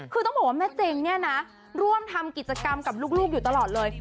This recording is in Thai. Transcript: คือต้องบอกว่าแม่เจงเนี่ยนะร่วมทำกิจกรรมกับลูกอยู่ตลอดเลย